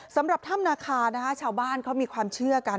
สำหรับถ้ำนาคานะคะชาวบ้านเขามีความเชื่อกัน